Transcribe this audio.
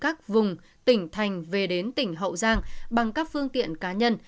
các vùng tỉnh thành về đến tỉnh hậu giang bằng các phương tiện cá nhân